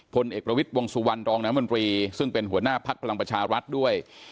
พลเอกประวิษภวรรณงงนามบริซึ่งเป็นหัวหน้าพักพลังประชารัฐด้วย